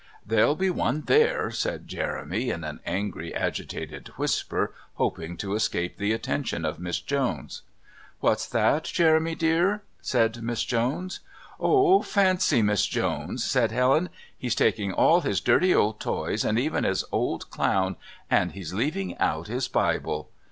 "There'll be one there," said Jeremy in an angry agitated whisper, hoping to escape the attention of Miss Jones. "What's that, Jeremy dear?" said Miss Jones. "Oh, fancy, Miss Jones!" said Helen. "He's taking all his dirty old toys and even his old clown, and he's leaving out his Bible."